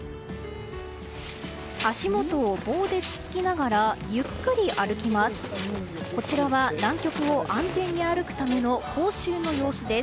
足元を棒でつつきながらゆっくり歩きます。